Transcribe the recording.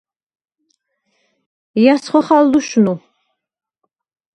ჲა̈ს ხოხალ ლუშნუ?